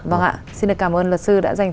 vâng ạ xin cảm ơn luật sư đã dành